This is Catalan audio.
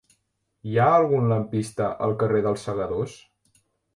Hi ha algun lampista al carrer dels Segadors?